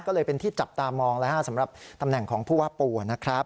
ก็เลยเป็นที่จับตามองแล้วสำหรับตำแหน่งของผู้ว่าปู่นะครับ